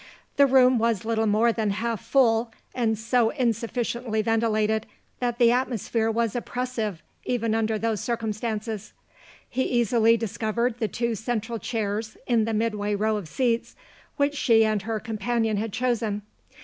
The room was little more than half full, and so insufficiently ventilated that the atmosphere was oppressive even under those circumstances. He easily discovered the two central chairs, in the midway row of seats, which she and her companion had chosen.